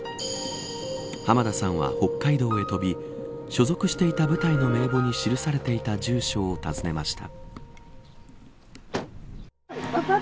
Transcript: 浜田さんは北海道へ飛び所属していた部隊の名簿に記されていた住所を訪ねました。